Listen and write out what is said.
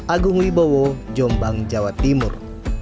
agung wibowo jombang jawa timur